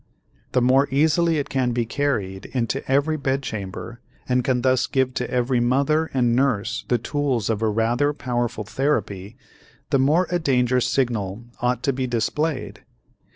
The more easily it can be carried into every bedchamber and can thus give to every mother and nurse the tools of a rather powerful therapy, the more a danger signal ought to be displayed.